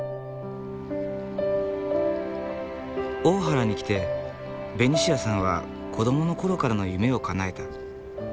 大原に来てベニシアさんは子供のころからの夢をかなえた。